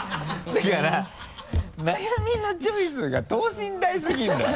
だから悩みのチョイスが等身大すぎるんだよ。